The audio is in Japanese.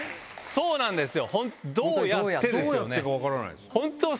そうなんですよ。